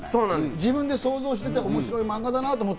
自分で想像していて面白い漫画だなと思って。